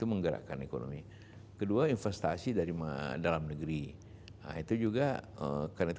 penyeidangan operasi itu sudah dikinerkakan oleh pemerintah indonesia